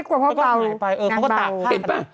เขาก็หายไปเขาก็ตากผ้ากัน